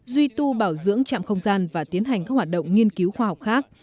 duy tu bảo dưỡng trạm không gian và tiến hành các hoạt động nghiên cứu khoa học khác